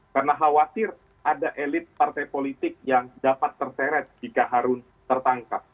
karena khawatir ada elit partai politik yang dapat terseret jika harun tertangkap